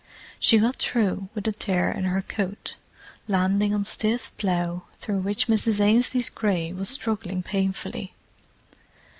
She got through with a tear in her coat, landing on stiff plough through which Mrs. Ainslie's grey was struggling painfully.